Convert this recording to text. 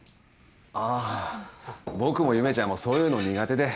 ああ僕も夢ちゃんもそういうの苦手で。